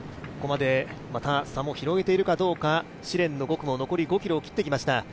ここまでまた差も広げているかどうか、試練の５区も残り５ｋｍを切ってきました。